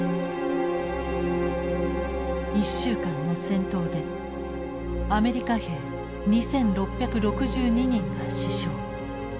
１週間の戦闘でアメリカ兵２，６６２人が死傷。